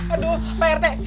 aduh pak rt